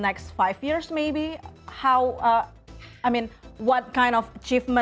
maksud aku apa jenis pengajaran yang mau kamu dapatkan dalam hidupmu